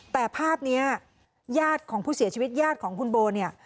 แต่ภาพนี้ญาติของผู้เสียชีวิตญาติของคุณโบเนี่ย